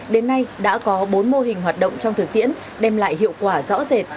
đến nay đã có bốn mô hình hoạt động trong thực tiễn đem lại hiệu quả rõ rệt